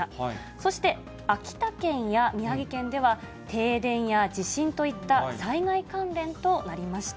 そして、秋田県や宮城県では停電や地震といった災害関連となりました。